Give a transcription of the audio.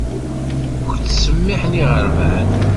Ur k-ttsemmiiḥen iɣerban